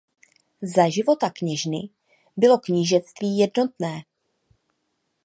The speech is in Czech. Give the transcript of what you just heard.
Za života kněžny bylo knížectví jednotné.